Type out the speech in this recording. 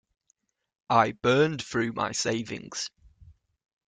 I burned through my savings.